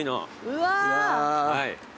うわ。